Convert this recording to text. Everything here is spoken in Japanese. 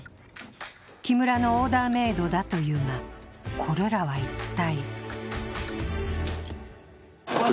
木村のオーダーメイドだというが、これらは一体？